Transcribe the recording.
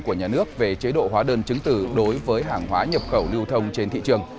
của nhà nước về chế độ hóa đơn chứng từ đối với hàng hóa nhập khẩu lưu thông trên thị trường